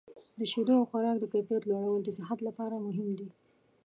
د شیدو او خوراک د کیفیت لوړول د صحت لپاره مهم دي.